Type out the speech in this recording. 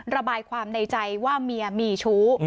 ระบายความในใจว่าเมียมีชู้